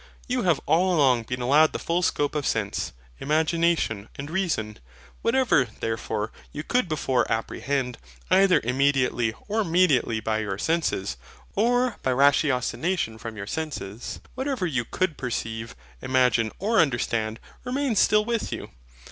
You have all along been allowed the full scope of sense, imagination, and reason. Whatever, therefore, you could before apprehend, either immediately or mediately by your senses, or by ratiocination from your senses; whatever you could perceive, imagine, or understand, remains still with you.